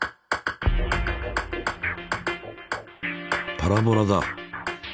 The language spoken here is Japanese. パラボラだ。